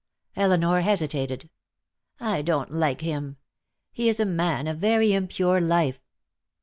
Elinor hesitated. "I don't like him. He is a man of very impure life."